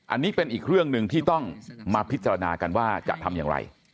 อันนี้เป็นอีกเรื่องหนึ่งที่ต้องมาพิจารณากันว่าจะทำอย่างไร